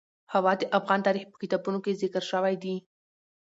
هوا د افغان تاریخ په کتابونو کې ذکر شوی دي.